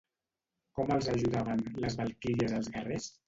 Com els ajudaven, les valquíries als guerrers?